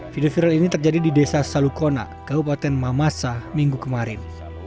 video viral ini terjadi di desa salukona kabupaten mamasa minggu kemarin